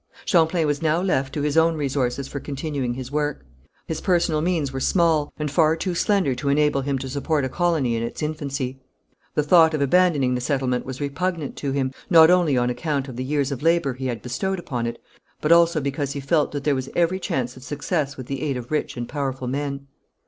Champlain was now left to his own resources for continuing his work. His personal means were small, and far too slender to enable him to support a colony in its infancy. The thought of abandoning the settlement was repugnant to him, not only on account of the years of labour he had bestowed upon it, but also because he felt that there was every chance of success with the aid of rich and powerful men.